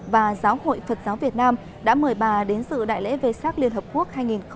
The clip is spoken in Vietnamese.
và giáo hội phật giáo việt nam đã mời bà đến sự đại lễ v sac liên hợp quốc hai nghìn một mươi chín